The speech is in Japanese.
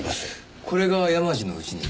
これが山路の家に。